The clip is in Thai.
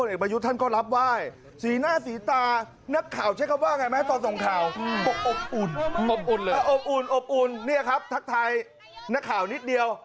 นี่ไงนี่ไงนี่ไงนี่ไงนี่ไงนี่ไงนี่ไงนี่ไงนี่ไงนี่ไงนี่ไงนี่ไง